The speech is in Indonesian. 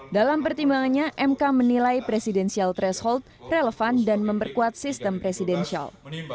dalam pertimbangannya mk menilai presidensial threshold relevan dan memperkuat sistem presidensial